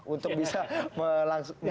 untuk bisa melangsung